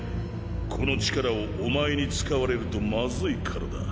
この力をお前に使われるとまずいからだ。